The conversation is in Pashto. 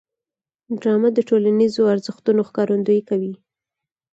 ډرامه د ټولنیزو ارزښتونو ښکارندويي کوي